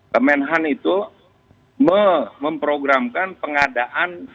kemenhan itu memprogramkan pengadaan